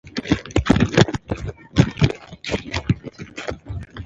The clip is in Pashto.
زه د پاکو جامو بوی خوښوم.